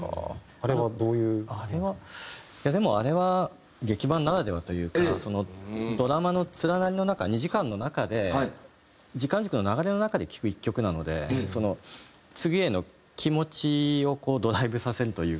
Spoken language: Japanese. あれはでもあれは劇伴ならではというかドラマのつながりの中２時間の中で時間軸の流れの中で聴く１曲なので次への気持ちをこうドライブさせるというか。